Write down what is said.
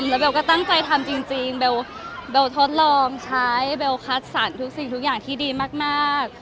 แล้วเบลก็ตั้งใจทำจริงเบลทดลองใช้เบลคัดสรรทุกสิ่งทุกอย่างที่ดีมาก